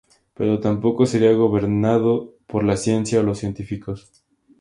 Pero tampoco sería gobernado por la ciencia o los científicos.